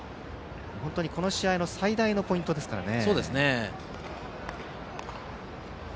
この試合の最大のポイントですからね。